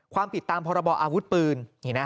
ความผิดตามพรบออาวุธปืน